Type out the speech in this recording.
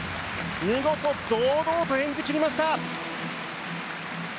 見事、堂々と演じ切りました。